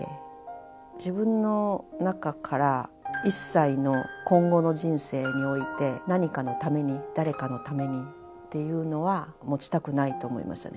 自分の中から一切の今後の人生において何かのために誰かのためにっていうのは持ちたくないと思いましたね。